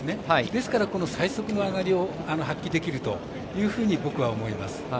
ですから、この最速の上がりを発揮できるというふうに思います。